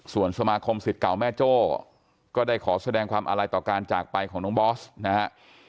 ส่วนสมาคมสิทธิ์เก่าแม่โจ้ก็ได้ขอแสดงความอาลัยต่อการจากไปของน้องบอสนะฮะ